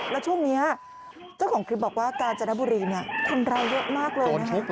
แล้วช่วงนี้ก็คุณว่าการเจตนบุรีคนร้ายเยอะมากเลย